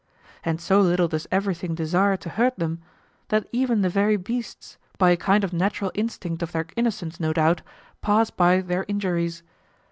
And so little does everything desire to hurt them, that even the very beasts, by a kind of natural instinct of their innocence no doubt, pass by their injuries.